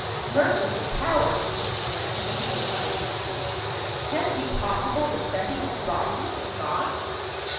"Merciful powers!" he exclaimed, when he recovered his speech, "can it be possible that Seppi has robbed me and gone?"